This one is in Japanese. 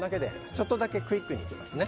ちょっとだけクイックにいきますね